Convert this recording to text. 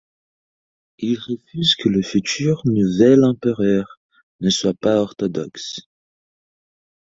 Ils refusent que le futur nouvel empereur ne soit pas orthodoxe.